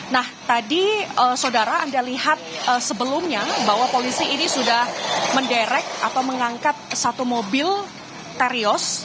nah tadi saudara anda lihat sebelumnya bahwa polisi ini sudah menderek atau mengangkat satu mobil terios